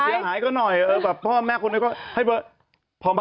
ประมาณนี้มันเบอร์แบบนี้เลยวะ